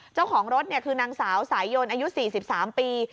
เจ้าของรถคือนางสาวสายยนอายุ๔๓ปี